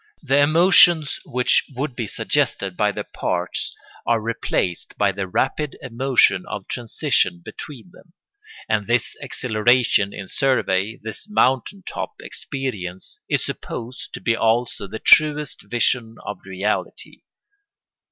The emotions which would be suggested by the parts are replaced by the rapid emotion of transition between them; and this exhilaration in survey, this mountain top experience, is supposed to be also the truest vision of reality.